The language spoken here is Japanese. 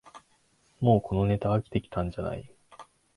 もうこのネタ飽きてきたんじゃない